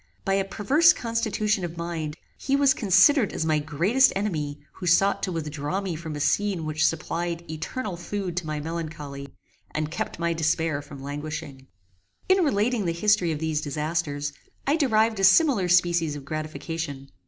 By a perverse constitution of mind, he was considered as my greatest enemy who sought to withdraw me from a scene which supplied eternal food to my melancholy, and kept my despair from languishing. In relating the history of these disasters I derived a similar species of gratification.